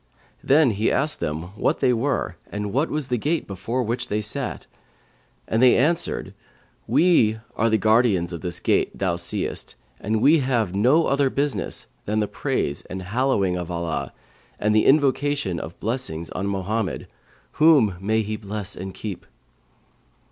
Then he asked them what they were and what was the gate before which they sat, and they answered, 'We are the guardians of this gate thou seest and we have no other business than the praise and hallowing of Allah and the invocation of blessings on Mohammed (whom may He bless and keep!).'